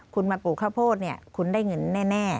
คุณมาปลูกข้าวโพดเนี่ยคุณได้เงินแน่